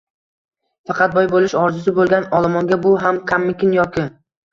Faqat boy bo‘lish orzusi bo‘lgan olomonga bu ham kammikin yoki?